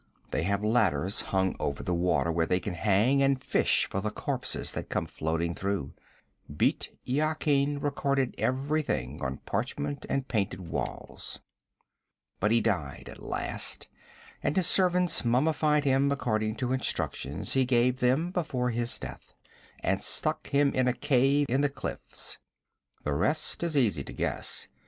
They have ladders hung over the water where they can hang and fish for the corpses that come floating through. Bît Yakin recorded everything on parchment and painted walls. 'But he died at last, and his servants mummified him according to instructions he gave them before his death, and stuck him in a cave in the cliffs. The rest is easy to guess.